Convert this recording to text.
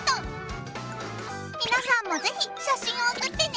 皆さんも是非写真を送ってね。